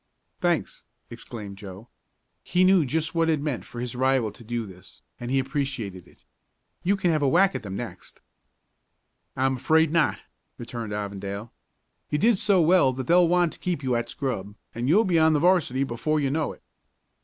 "Thanks!" exclaimed Joe. He knew just what it meant for his rival to do this, and he appreciated it. "You can have a whack at them next." "I'm afraid not," returned Avondale. "You did so well that they'll want to keep you at scrub, and you'll be on the 'varsity before you know it."